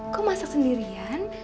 kok masak sendirian